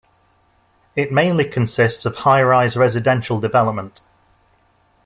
It mainly consists of highrise residential development.